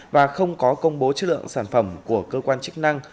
và không có công bố chất lượng sản phẩm của cơ quan chức năng